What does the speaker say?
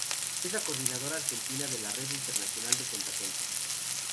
Es la coordinadora argentina de la Red Internacional de Cuentacuentos.